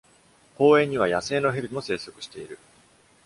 公園には、野生のヘビも生息している。